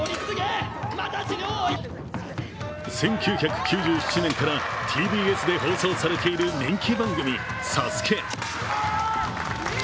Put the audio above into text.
１９９７年からＴＢＳで放送されている人気番組「ＳＡＳＵＫＥ」。